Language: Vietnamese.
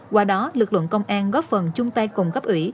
qua đó lực lượng công an góp phần chung tay cùng cấp ủy